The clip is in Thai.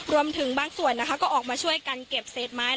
รวมถึงบางส่วนนะคะก็ออกมาช่วยกันเก็บเศษไม้